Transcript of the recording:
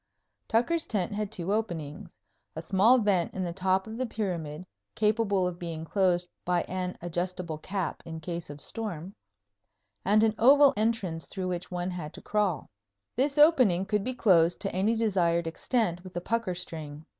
Tucker's tent had two openings a small vent in the top of the pyramid, capable of being closed by an adjustable cap in case of storm, and an oval entrance through which one had to crawl. This opening could be closed to any desired extent with a pucker string.